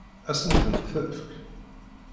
Ad sen-tent-tefk?